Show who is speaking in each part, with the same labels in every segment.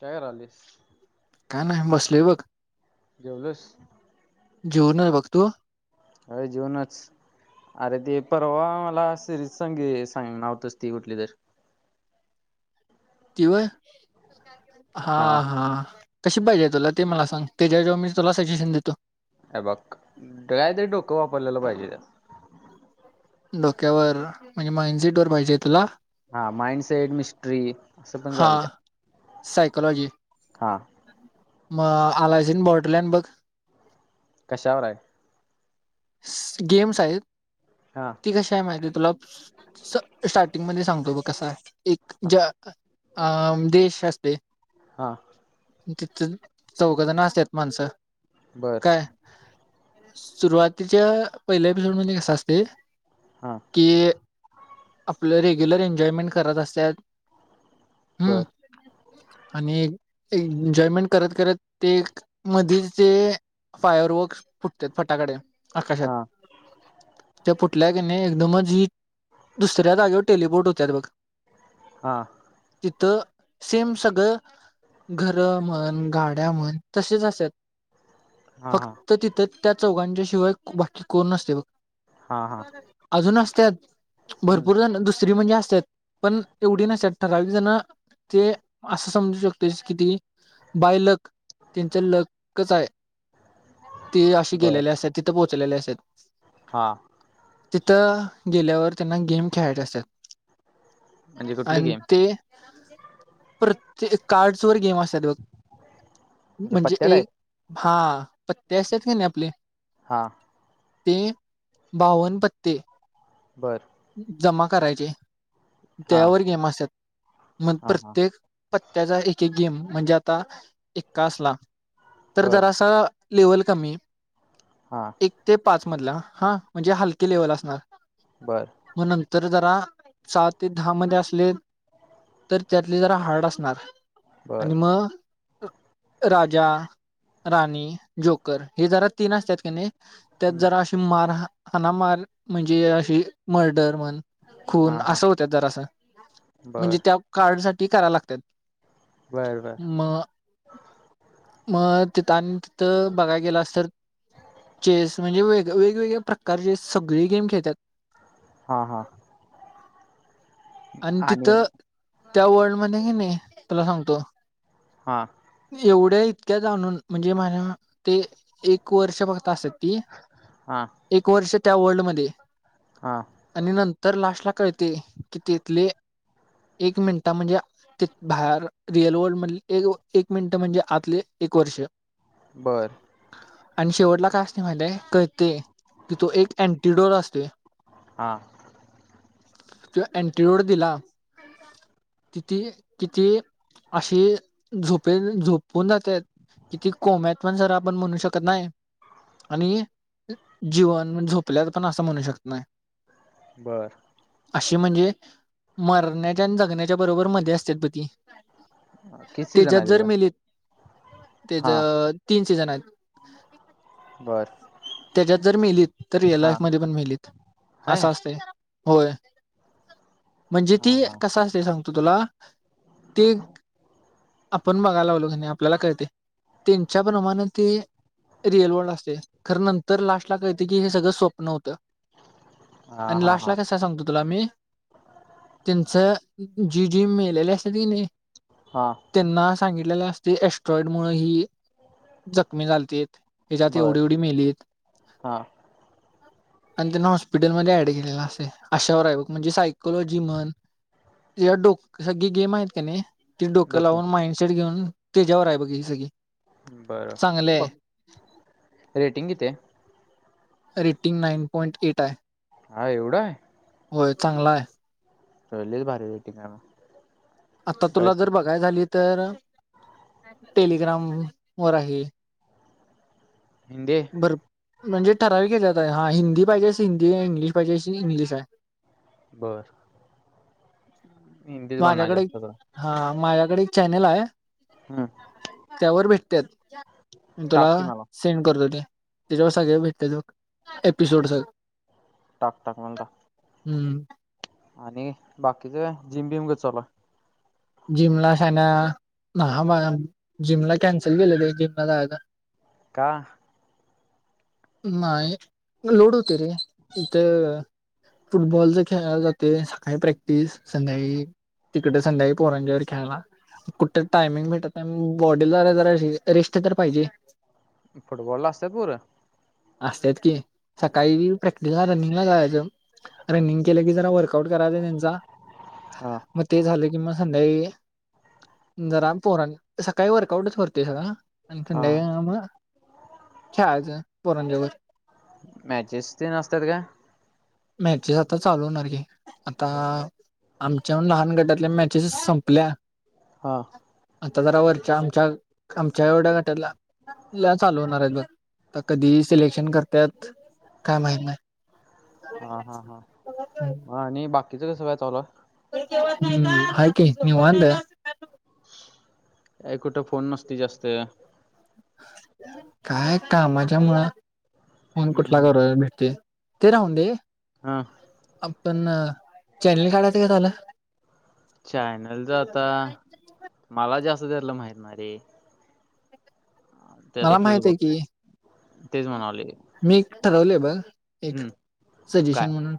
Speaker 1: काय करालीस
Speaker 2: का नाही आहे बसले बघ
Speaker 1: जेवलोस
Speaker 2: जोरन बघतो
Speaker 1: अ जऊनच [unintelligible] अरे ते परवा मला सिरीज सांग सांग नाव्हतच ती कुठली तर [inaudible]
Speaker 2: कय हा हा कशी पाहिजे तुला ते मला सांग त्याच्या जेव्हा मी तुला सजेशन देतो
Speaker 1: अ बघ कायतरी डोकं वापरलेलं पाहिजे त्या
Speaker 2: डोक्यावर म्हणजे मानझिट वर पाहिजे तुला
Speaker 1: हा माइंडसेट मिस्ट्री असं पण
Speaker 2: हा
Speaker 1: चालत
Speaker 2: सायकोलॉजी
Speaker 1: हा
Speaker 2: म आलायसीन बॉटलन बघ
Speaker 1: कशावरय
Speaker 2: गेम्स आहेत
Speaker 1: हा
Speaker 2: ती कशी आहे माहिती तुला स्टार्टिंग मध्ये सांगतो ब कसा आहे एक ज अ देश अस असते
Speaker 1: हा
Speaker 2: तिथं चौघदाण असत आहेत माणसं
Speaker 1: बर
Speaker 2: काय सुरुवातीच्या पहिल्या एपिसोड म्हणजे कसा असते
Speaker 1: हा
Speaker 2: की आपलं रेग्युलर एन्जॉयमेंट करत असत
Speaker 1: बर
Speaker 2: आणि एन्जॉयमेंट करत करत ते मधचे फायर वर्क्स फटते फटाकडे आकाशात
Speaker 1: हा
Speaker 2: ते कुठल्या क नाही एकदमची दुसऱ्या जागेवर टेलपोर्ट होतत बघ
Speaker 1: हा
Speaker 2: तिथं सेम सगळं घर म्हण गाड्या म्हण तसेच असत
Speaker 1: हा हा
Speaker 2: फक्त तिथं त्या चौघांच्या शिवाय बाकी कोण नसते
Speaker 1: हा हा
Speaker 2: अजूनच त्यात
Speaker 1: हम्म
Speaker 2: भरपूर जण दुस स्त्री म्हणजे असतात पण तेवढी नसतात ठकावी जण ते असं समजू शकते किती बायलक त्यांचा लकच आहे ते अे
Speaker 1: बर
Speaker 2: गेलेले असत आहेत तिथे पोहोचलेले अस आहेत
Speaker 1: हा
Speaker 2: तिथं गेल्यावर त्यांना गेम खेळायचे असतात
Speaker 1: म्हणजे कुठली
Speaker 2: आणि
Speaker 1: गेम
Speaker 2: ते प्रत्येक कार्ड वर गेम अस घ म्हणजे
Speaker 1: पत्त्या
Speaker 2: एक
Speaker 1: टाईप
Speaker 2: हा पत्ते असतात का नाही आपले-
Speaker 1: हा-
Speaker 2: ते बावन पत्ते-
Speaker 1: बरं-
Speaker 2: जमा करायचे
Speaker 1: हा
Speaker 2: त्यावर गेम असत मग
Speaker 1: हा हा
Speaker 2: प्रत्येक- पत्त्याचा एक- एक गेम म्हणजे आता एक्का असला तर
Speaker 1: बर
Speaker 2: जरा असा- लेवल कमी
Speaker 1: हा
Speaker 2: एक ते पाच मधला हा म्हणजे हलकी लेवल असणार-
Speaker 1: बर-
Speaker 2: तर जरा सहा ते दहा मध्ये असले तर त्यातले जरा हार्ड असणार-
Speaker 1: बर
Speaker 2: आणि मग- राजा राणी जोकर हे जरा तीन असतात कनायी त्यात
Speaker 1: हम्म
Speaker 2: जरा अशी मार -हाणा -मार म्हणजे अशी मर्डर म्हण- खून
Speaker 1: हा हा
Speaker 2: असं होत्यात जरा सं
Speaker 1: बर
Speaker 2: म्हणजे त्या कार्ड साठी कराय लागत्यात-
Speaker 1: बर -बर-
Speaker 2: मग तिथ आणि तिथं बघायला गेलास तर चेस म्हणजे वे- वेगवेगळ्या प्रकारचे सगळे गेम खेळत्यात
Speaker 1: हा -हा-
Speaker 2: आणि तिथं त्या वर्ल्ड मध्ये हेनाय तुला सांगतो-
Speaker 1: हा-
Speaker 2: एवढ्या इतक्या जाणून म्हणजे माझ्या ते एक वर्ष बघत असल- ती
Speaker 1: हा
Speaker 2: एक वर्ष त्या वर्ल्ड मध्ये
Speaker 1: हा
Speaker 2: आणि नंत- तर लास्टला काळतय की तिथले- एक मिनिट म्हणजे बाहेर रिअल वर्ल्ड मध एक मिनिटं म्हणजे आतले एक वर्ष-
Speaker 1: बर
Speaker 2: आणि शेवटला काय असते माहितय कते तिथो एक अँटीडोर असतोय-
Speaker 1: हा-
Speaker 2: तिो अँट्री रोड दिला तिथे तीथे - अशी झोपे झोपून जात्यात [inaudible] किती कोम्यात पण सर आपण म्हणू शकत नाही आणि जीवन झोपल्यात पण असं म्हणू शकत नाही
Speaker 1: बरं-
Speaker 2: अशी म्हणजे मरण्याच्या आणि जगण्याच्या बरोबर मध्ये असतात पती
Speaker 1: किसी जन आहे तीत-
Speaker 2: त्यज तीन सीझन आहेत
Speaker 1: बरं-
Speaker 2: त्याच्यात जर मिेलीत तर रिअल लाईफ मध्ये पण मिेलीत
Speaker 1: आहे
Speaker 2: असं असतंय- होय म्हणजे
Speaker 1: हा
Speaker 2: ती
Speaker 1: हा
Speaker 2: कस असते सांग- तुला ते - आपण बघायला लावलो कि नाही आपल्याला कळते त्यांच्या प्रमाणे ते- रिअल वर्ल्ड असते खरं नंतर लास्टला काळत की हे सगळं स्वप्न होतं
Speaker 1: हा
Speaker 2: आणि
Speaker 1: हा
Speaker 2: लास्ट
Speaker 1: हा
Speaker 2: ला कसा सांगतो तुला मी तीनच- जी जी मेलेले असतेति कनाय
Speaker 1: हा
Speaker 2: त्यांना सांगितलेलं- ती एस्टोज
Speaker 1: बर
Speaker 2: ती मीलीत-
Speaker 1: हा
Speaker 2: आणि त्यांना हॉस्पिटलमध्ये ऍड केलेल असेते अशावर आहे बग म्हणजे सायकोलॉजी म्हण- या डोक सगळी गेम आहेत की नाही- ती डोक
Speaker 1: डोके
Speaker 2: लावून माइंडसेट घेऊन त्याच्यावर आहे बघ ही सगळी- चांगली
Speaker 1: बरं बघ
Speaker 2: आहे
Speaker 1: रेटिंग कितीे-
Speaker 2: रेटिंग नाईन पॉइंट एट आहे-
Speaker 1: हा एवढा आहे-
Speaker 2: होय चांगला आहे
Speaker 1: चले भारी वेटिंग ना
Speaker 2: आता तुला जर बघाय झाली तर टेलिग्राम वर आहे
Speaker 1: हंदे
Speaker 2: भर म्हणजे ठराव के जात आहे हा हिंदी पाहिजे हिंदी इंग्लिश पाहिजेशी इंग्लिश आहे.
Speaker 1: बर! हिंदीच बघणार
Speaker 2: माझ्याकडे
Speaker 1: जास्त करून
Speaker 2: हा माझ्याकडे एक चॅनल आहे
Speaker 1: हम्म,
Speaker 2: त्यावर भेटतात. मी तुला
Speaker 1: टाक की मला
Speaker 2: सेंड करतो ते, त्याच्यावर सगळे भेटतात बघ. एपिसोड सगळे
Speaker 1: टक टाक म्हणता.
Speaker 2: हम्म!
Speaker 1: आणि बाकीच जिम बिम ग चाला.
Speaker 2: जिमलासना जिमला कॅन्सल केलं ते जिमला जायाला.
Speaker 1: का?
Speaker 2: नाही लोड होते ते. फुटबॉलच खेळला जाते सकाळी प्रॅक्टिस संध्याळी तिकट संध्याळी पोरांच्या बरोबर खेळायला. कुठ टायमिंग भेटत बॉडीला जरा रिस्ट तर पाहिजे.
Speaker 1: फुटबॉला असतात पोर?
Speaker 2: असतात की सकाळी प्रॅक्टिसला रनिंगला जायचं, रनिंग केलं की जरा वर्कआउट, करायच त्यांचा
Speaker 1: हा
Speaker 2: मग ते झालं की मग संडे जरा पोर सकाळी वर्कआउटच भरते सगं आणि
Speaker 1: हा
Speaker 2: थंड्या म छाळाचं पोरांजवर.
Speaker 1: मॅचेस ते असतात का?
Speaker 2: मॅचेस आता चालू होणार की आता आमच्या लहान गटातले मॅच ज संपल्या.
Speaker 1: हा
Speaker 2: आता जरा वरच्या आमच्या आमच्या एवढ्या गटाला ल चालू होणार आहेत बघ कधी सिलेक्शन करतत काय माहीत नाही.
Speaker 1: हा हा हा आणि बाकीचं कसं काय चालू आहे.
Speaker 2: हम्म हाय की निवांत.
Speaker 1: कुठं फोन नसती जास्त.
Speaker 2: काय कामाच्या मुळं फोन कुठला
Speaker 1: हम्म.
Speaker 2: कर भेटतोय. ते राहू दे,
Speaker 1: हा
Speaker 2: आपण चॅनल काढयचं का झालं.
Speaker 1: चॅनलच आता मला जास्त त्यालं माहितनाही रे. ते आता
Speaker 2: मला
Speaker 1: तूच
Speaker 2: माहित आहे
Speaker 1: बघ
Speaker 2: की
Speaker 1: तेच म्हणालोय
Speaker 2: मी ठरवले आहे बर. एक
Speaker 1: हम्म काय
Speaker 2: सजेशन म्हणून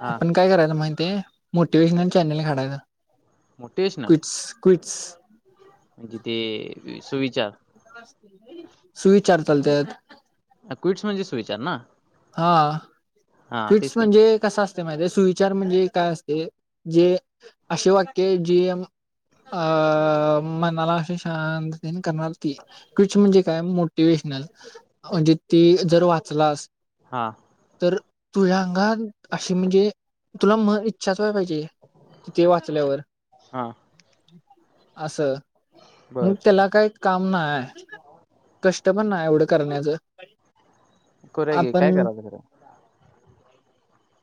Speaker 1: हा
Speaker 2: आपण काय करायला माहि ते मोटिवेशनल चॅनल काढायचा
Speaker 1: मोटिवेशनल
Speaker 2: क्विंट्स, क्विंट्स
Speaker 1: म्हणजे ते सुविचार
Speaker 2: सुविचार चालतत.
Speaker 1: क्विट्स म्हणजे सुविचार ना?
Speaker 2: हा
Speaker 1: हा तेच
Speaker 2: क्विट्स
Speaker 1: की
Speaker 2: म्हणजे कसं असत. सुविचार म्हणजे काय असते जे असे वाक्य जीम अ मनाला असे शांत दिन करणार, क्विंट्स म्हणजे काय मोटिवे्शनल म्हणजे ते जर वाचलास
Speaker 1: हा
Speaker 2: तर तुझ्या अंगात अशी म्हणजे तुला म इच्छा पाहिजे किती वाचल्यावर
Speaker 1: हा
Speaker 2: असं.
Speaker 1: बर
Speaker 2: मग त्याला काही काम नाही कष्ट पण नाही. एवढ कर
Speaker 1: करूया की काय करा खरं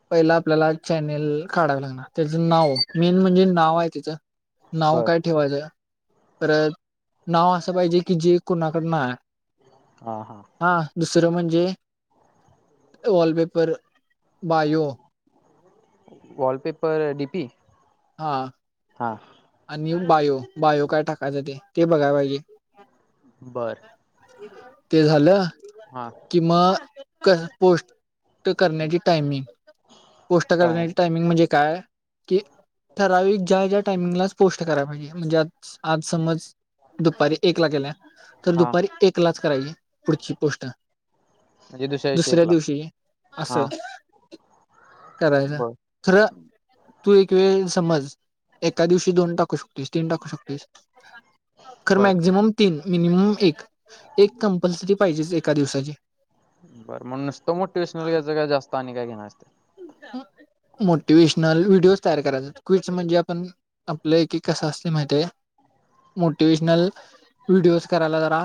Speaker 2: पहिला आपल्याला चॅनेल काढावे लागणार त्याचं नाव मेन म्हणजे नाव आहे तिचंहा नाव
Speaker 1: बर
Speaker 2: काय ठेवायचं परत नाव असं पाहिजे की जे कोणाकड नाय.
Speaker 1: हा हा.
Speaker 2: दुसरं म्हणजे wallpaper bio
Speaker 1: wallpaper D P.
Speaker 2: हा आनिल बायो बायो काय टाकायचं ते ते बघाय पाहिजे.
Speaker 1: बर
Speaker 2: ते झालं
Speaker 1: हा
Speaker 2: कि म कस पोस्ट पोष्ट करण्याची टायमिंग पोष्ट
Speaker 1: टाय
Speaker 2: करण्याची टायमिंग म्हणजे काय कि ठरावीक ज्या ज्या टाइमिंगलाच पोस्ट कराय पाहिजे म्हणजे आत आज समज दुपारी एक ला केला तर
Speaker 1: हा
Speaker 2: दुपारी एक लाच करायची पुढची पोस्ट.
Speaker 1: म्हणजे विषयी
Speaker 2: दुसऱ्या
Speaker 1: एकला
Speaker 2: दिवशी आसं
Speaker 1: हा
Speaker 2: करायला
Speaker 1: बर
Speaker 2: खरं तू एक वेळेस समज एका दिवशी दोन टाकू शकतेस तीन टाकू शकतेस. खर
Speaker 1: बर
Speaker 2: मॅक्झिमम तीन मिनिमम एक. एक कंपल्सरी पाहिजेच एका दिवसाची.
Speaker 1: पाणी काय घेनार.
Speaker 2: अ त मोटिवे्शनल व्हिडिओज तयार करायचात क्विट् म्हणजे आपण आपलं की कसं असते माहितेय. मोटिवेशनल व्हिडिओज करायला जरा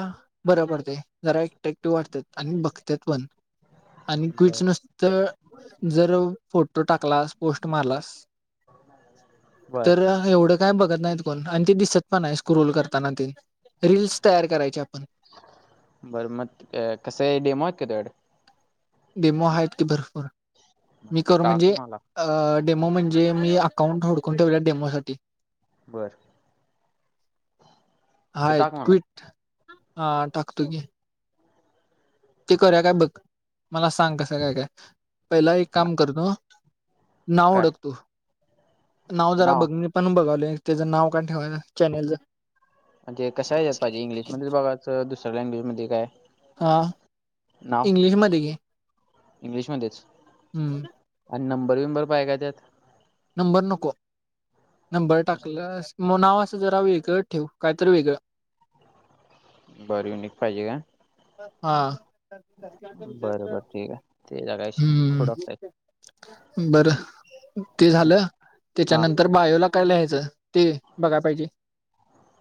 Speaker 2: बरं पडतय जरा एकटॅक्टिव्ह वाटतेत. आणि बघत्यात पण.
Speaker 1: [inaudible]
Speaker 2: आणि
Speaker 1: बरं
Speaker 2: क्विच नसत जर फोटो टाकलास पोस्ट मारलास
Speaker 1: बर
Speaker 2: तर एवढं काय बघत नाहीत कोण आणि ते दिसत पण आहे स्क्रोल करताना ते रिल्स तयार करायचे आपण.
Speaker 1: बरं मत अ कस आहे. डेमो आहेत का तुयाकडं
Speaker 2: डेमो आहेत की भरपूर मी करू म्हणजे
Speaker 1: टाक मला
Speaker 2: अ डेमो म्हणजे मी अकाउंट हू डकून ठेवलं डेमो साठी.
Speaker 1: बरं.
Speaker 2: हायेत
Speaker 1: मला
Speaker 2: क्विट हा टाकतो की. ते करू काय बघ मला सांग कसं काय काय पहिला एक काम करतो. नाव
Speaker 1: काय
Speaker 2: ओडखतो नाव जरा बघ पण बगायलोय. त्याचं नाव काण ठेवाय चॅनेलचं?
Speaker 1: म्हणजे कस आहे यात पाहिजे इंग्लिशमध्येच बघाचं दुसऱ्या लँग्वेजमध्ये काय?
Speaker 2: हा
Speaker 1: नाव
Speaker 2: इंग्लिशमध्ये गे.
Speaker 1: इंग्लिशमध्येच.
Speaker 2: हम्म.
Speaker 1: अनं नंबर विंबर पाये काय त्यात?
Speaker 2: नंबर नको नंबर टाकलंस मुणावा असं जरा वेगळं ठेवू कायतर वेगळं
Speaker 1: बर नीट पाहिजे का?
Speaker 2: हा,
Speaker 1: बरं बरं ठीक आहे ते जगायचं नाही थोडं
Speaker 2: हम्म. बरं ते
Speaker 1: आणि
Speaker 2: झालं
Speaker 1: हां
Speaker 2: त्याच्यानंतर बायोला काय ल्याहचं ते बघा पाहिजे.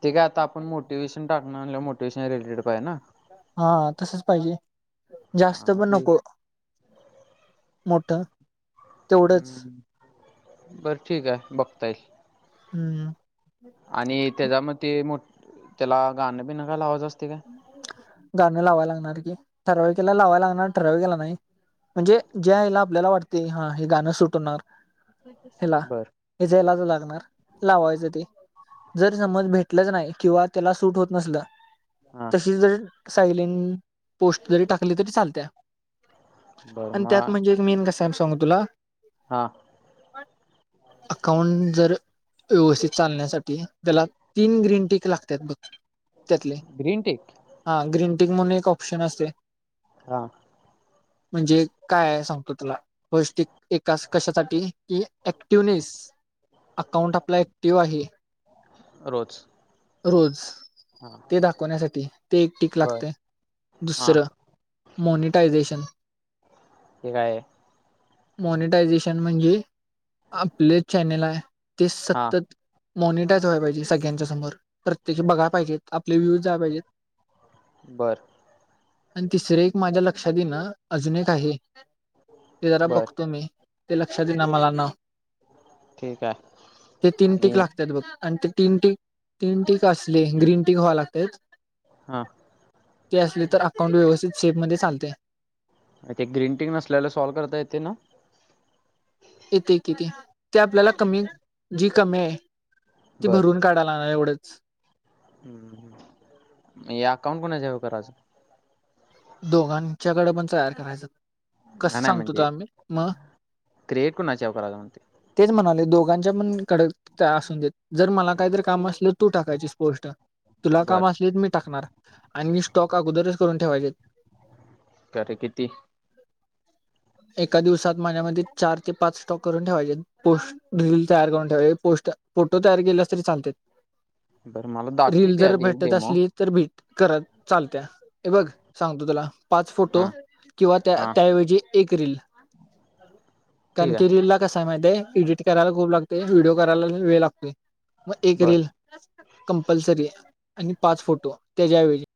Speaker 1: ते काय आता आपण मोटिवे्शन टाकणं म्हणल्याव मोटिवेशन रेड रिड पाये ना.
Speaker 2: हा तसच पाहिजे. जास्त
Speaker 1: हां मग
Speaker 2: पण
Speaker 1: ते
Speaker 2: नको. मोठं. तेवढंच
Speaker 1: हम्म, बर ठीक आहे बघता येईल.
Speaker 2: हम्म
Speaker 1: आणि त्याच्यामधे ते मोठ त्याला गाणं बिणं काय लावायचं अस
Speaker 2: गाण लावायला लागणार की, ठराविक येला लावायला लागणार ठराविक याला नाही. म्हणजे ज्या यायला, आपल्याला वाटतय हा हे गाणं सुटणार हीला
Speaker 1: बर
Speaker 2: इजला ला, ला लावायच ते जर समज भेटलंच नाही, किंवा त्याला सूट होत नसल
Speaker 1: हा
Speaker 2: तशी जर सायलेंट पोस्ट, जरी टाकली तरी चालत्या
Speaker 1: बर
Speaker 2: आणि त्यात
Speaker 1: मग
Speaker 2: म्हणजे, एक मेन कसय सांगू तुला
Speaker 1: [inaudible]
Speaker 2: अकाउंट जर व्यवस्थित चालण्यासाठी, त्याला तीन ग्रीन टीक लागतात बघ त्यातले
Speaker 1: ग्रीन टिक
Speaker 2: ग्रीनटिंक म्हणून एक ऑप्शन असते
Speaker 1: हा!
Speaker 2: म्हणजे काय आहे, सांगतो तुला फस्ट स्टिक एकास कशासाठी की ऍक्टिवनेस, अकाउंट आपला ऍक्टिव्ह आहे
Speaker 1: रोज
Speaker 2: रोज
Speaker 1: हा
Speaker 2: ते दाखवण्यासाठी ते एक टीक
Speaker 1: बर
Speaker 2: लागते,
Speaker 1: हा
Speaker 2: दुसरं मॉनिटायझेशन
Speaker 1: हे कायआहे?
Speaker 2: मॉनिटायझेशन म्हणजे आपले चॅनेल आह,. ते
Speaker 1: हा
Speaker 2: सतत मॉनिटायज व्हाय पाहिजे सगळ्यांच्या समोर प्रत्येकी बघाला पाहिजेत, आपले व्ह्यूज जायला पाहिजेत
Speaker 1: बरं
Speaker 2: आणि तिसरे एक माझ्या लक्षात येई ना अजून एक आहे ते जरा
Speaker 1: बर
Speaker 2: बघतो मी, ते लक्षात येइना मला नाव
Speaker 1: ठीक आहे
Speaker 2: ते तीन
Speaker 1: आणि
Speaker 2: टिक लागतात बघ आणि ते तीन टीक, तीन टीक, असली ग्रीन टीक व्हाय लागत
Speaker 1: हा!
Speaker 2: ते असले तर अकाउंट व्यवस्थित सेफ मध्ये चालतय
Speaker 1: ते ग्रीन टीक नसल्याला सॉल्व करता येते ना
Speaker 2: येथे किती ते आपल्याला कमी जी कमी आहे. ती
Speaker 1: बर
Speaker 2: भरून काढाला ना एवढंच
Speaker 1: हे अकाउंट कोणाच्याव करायचं?
Speaker 2: दोघांच्याकड पण तयार करायचं
Speaker 1: नाही
Speaker 2: कस
Speaker 1: नाही
Speaker 2: सांगतो तो
Speaker 1: म्हणजे
Speaker 2: आम्ही, म
Speaker 1: क्रिएट कोणाच्या हेव करायचं म्हणते
Speaker 2: तेच म्हणाले दोघ ज्यांच्या पण कड त्या असून देत जर मला काहीतरी काम असलं तू टाकायची स्पोष्ट तुला काम
Speaker 1: बर
Speaker 2: असले मी टाकणार, आणि स्टॉक अगोदरच करून ठेवायचे.
Speaker 1: तरी किती?
Speaker 2: एका दिवसात माझ्या मते चार, ते पाच, स्टॉक करून ठेवायचे. पोस्ट रील तयार करून ठेवायचे पोस्ट फोटो तयार केलास तरी चालतय
Speaker 1: बरं मला दाखवी
Speaker 2: रील
Speaker 1: ते
Speaker 2: जर
Speaker 1: आधी एक
Speaker 2: भेटत
Speaker 1: डेमो
Speaker 2: असली तर भेट करत. चालत्या हे बघ सांगतो तुला. पाच फोटो,
Speaker 1: हां
Speaker 2: किंवा
Speaker 1: हां
Speaker 2: त्याऐवजी एक रील कारण
Speaker 1: ठीक
Speaker 2: की
Speaker 1: आहे
Speaker 2: रील ला कसा आहे माहितीय आहे, एडिट करायला खूप लागतय व्हिडिओ करायला वेळ लागतोय म एक
Speaker 1: बरं
Speaker 2: रील कंपल्सरी आहे, आणि पाच फोटो त्याच्या ऐवजी